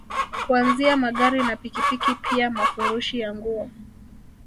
Kuanzia Magari na pikipiki pia mafurushi ya nguo